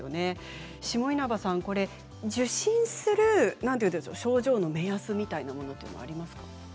下稲葉さん、受診する症状の目安みたいなものってありますか。